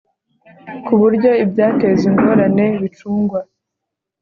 ku buryo ibyateza ingorane bicungwa